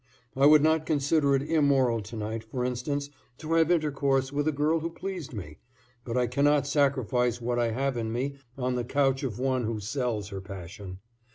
I would not consider it immoral to night, for instance, to have intercourse with a girl who pleased me, but I cannot sacrifice what I have in me on the couch of one who sells her passion.